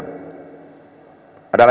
mendinggal dunia semua